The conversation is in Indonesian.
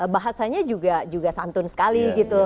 bahasanya juga santun sekali gitu